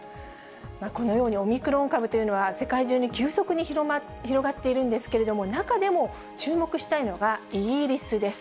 このようにオミクロン株というのは、世界中に急速に広がっているんですけれども、中でも注目したいのが、イギリスです。